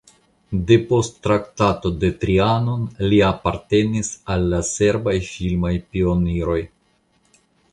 Depost Traktato de Trianon li apartenis al la serbaj filmaj pioniroj.